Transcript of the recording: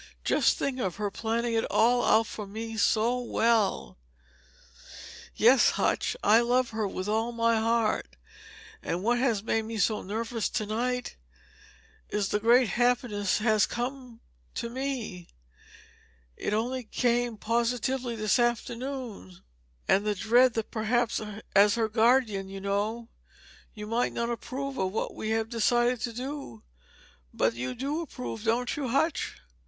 Just think of her planning it all out for me so well! "Yes, Hutch, I love her with all my heart; and what has made me so nervous to night is the great happiness that has come to me it only came positively this afternoon and the dread that perhaps, as her guardian, you know, you might not approve of what we have decided to do. But you do approve, don't you, Hutch?